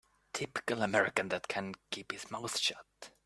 Typical American that can keep his mouth shut.